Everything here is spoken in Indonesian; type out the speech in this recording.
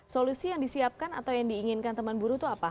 solusi yang disiapkan atau yang diinginkan teman buruh itu apa